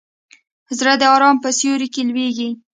زړه د ارام په سیوري کې لویېږي.